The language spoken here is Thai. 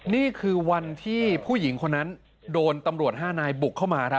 นี่คือวันที่ผู้หญิงคนนั้นโดนตำรวจ๕นายบุกเข้ามา